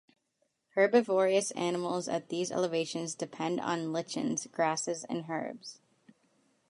Herbivorous animals at these elevations depend on lichens, grasses, and herbs.